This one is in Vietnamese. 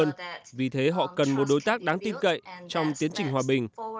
hàn quốc đối với triều tiên là một cường quốc lớn hơn vì thế họ cần một đối tác đáng tin cậy trong tiến trình hòa bình